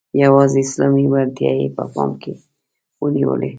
یوازي اسلامي وړتیاوې یې په پام کې ونیولې.